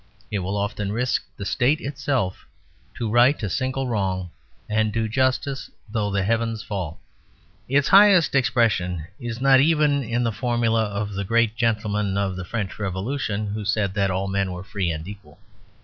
It will often risk the State itself to right a single wrong; and do justice though the heavens fall. Its highest expression is not even in the formula of the great gentlemen of the French Revolution who said that all men were free and equal.